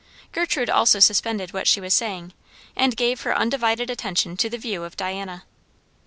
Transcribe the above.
Gertrude also suspended what she was saying, and gave her undivided attention to the view of Diana.